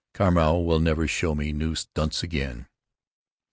Carmeau will never show me new stunts again.